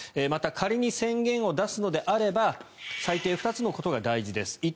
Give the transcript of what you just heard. また、仮に宣言を出すのであれば最低２つのことが大事です。